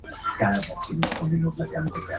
Desarrolló su obra en blanco y negro.